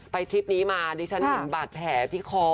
ไปทริปนี้มาดิฉะนึงบาดแผลที่คอ